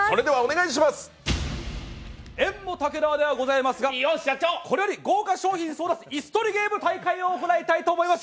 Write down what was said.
宴もたけなわではございますがこれより豪華賞品争奪「椅子取りゲーム」大会を行いたいと思います。